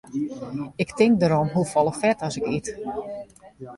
Ik tink derom hoefolle fet as ik yt.